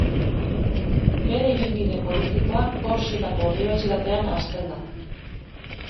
Bere ibilbide politikoa Korsikako unibertsitatean hasten da.